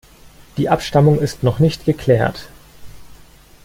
Die Abstammung ist noch nicht geklärt.